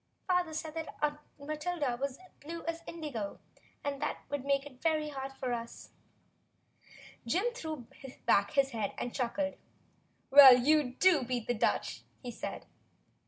"Father said Aunt Matilda was as blue as indigo, and that it would make it very hard for us." Jim threw back his head and chuckled. "Well, you do beat the Dutch," he said.